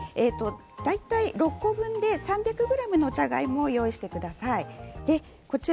６個分で３００ｇのじゃがいもを用意してください。